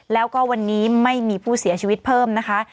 แล้วก็วันนี้ไม่มีผู้เสียชีวิตเพิ่มนะคะ